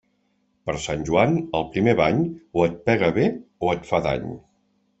Per Sant Joan, el primer bany, o et pega bé o et fa dany.